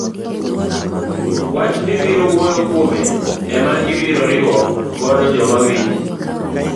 wach mibiro wuoyo kuome ema ibiro riwo godo joma winji.